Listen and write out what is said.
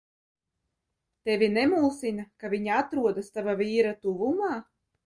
Tevi nemulsina, ka viņa atrodas tava vīra tuvumā?